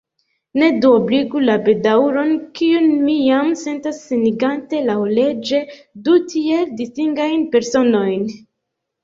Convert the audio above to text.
Ne duobligu la bedaŭron, kiun mi jam sentas senigante laŭleĝe du tiel distingajn personojn.